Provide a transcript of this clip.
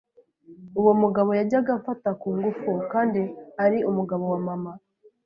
uwo mugabo yajyaga amfata ku ngufu kandi ari umugabo wa mama